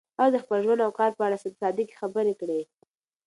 هغې د خپل ژوند او کار په اړه صادقې خبرې کړي.